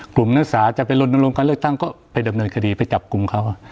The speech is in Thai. นักศึกษาจะไปลนลงการเลือกตั้งก็ไปดำเนินคดีไปจับกลุ่มเขา